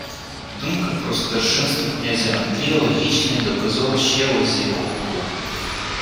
Думка про старшинство князя Андрія логічна й доказова ще ось із якого боку